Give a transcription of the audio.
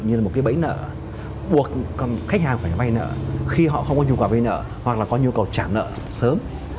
như là một cái bẫy nợ buộc khách hàng phải vay nợ khi họ không có nhu cầu vây nợ hoặc là có nhu cầu trả nợ sớm